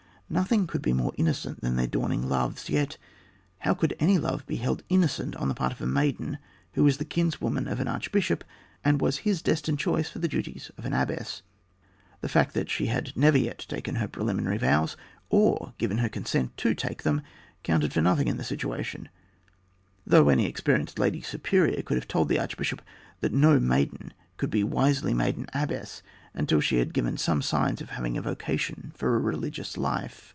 Nothing could be more innocent than their dawning loves, yet how could any love be held innocent on the part of a maiden who was the kinswoman of an archbishop and was his destined choice for the duties of an abbess? The fact that she had never yet taken her preliminary vows or given her consent to take them, counted for nothing in the situation; though any experienced lady superior could have told the archbishop that no maiden could be wisely made an abbess until she had given some signs of having a vocation for a religious life.